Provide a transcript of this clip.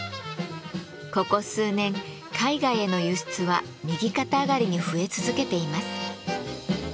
ここ数年海外への輸出は右肩上がりに増え続けています。